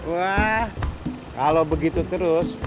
wah kalau begitu terus